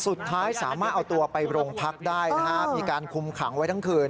สุดท้ายสามารถเอาตัวไปโรงพักได้นะฮะมีการคุมขังไว้ทั้งคืน